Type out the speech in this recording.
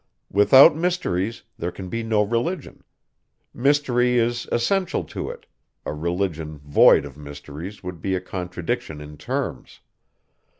Without mysteries there can be no religion; mystery is essential to it; a religion void of mysteries, would be a contradiction in terms.